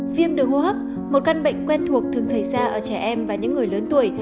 viêm đường hô hấp một căn bệnh quen thuộc thường xảy ra ở trẻ em và những người lớn tuổi